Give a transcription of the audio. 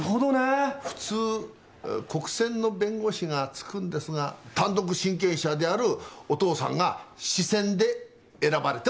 普通国選の弁護士がつくんですが単独親権者であるお父さんが私選で選ばれてもかまいません。